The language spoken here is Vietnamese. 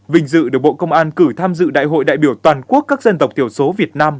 vinh dự được bộ công an cử tham dự đại hội đại biểu toàn quốc các dân tộc thiểu số việt nam